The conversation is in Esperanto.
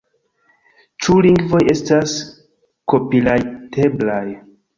Ĉu lingvoj estas kopirajteblaj